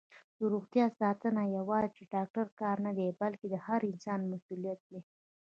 دروغتیا ساتنه یوازې د ډاکټر کار نه دی، بلکې د هر انسان مسؤلیت دی.